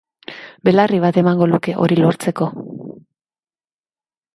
Belarri bat emango luke hori lortzeko